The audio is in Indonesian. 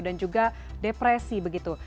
dan juga depresi begitu